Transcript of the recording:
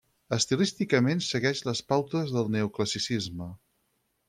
Estilísticament segueix les pautes del neoclassicisme.